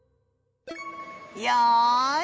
よい。